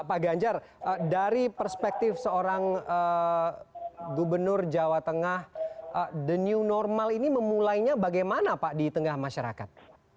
pak ganjar dari perspektif seorang gubernur jawa tengah the new normal ini memulainya bagaimana pak di tengah masyarakat